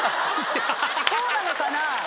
そうなのかな？